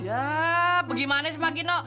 ya bagaimana sih pak gino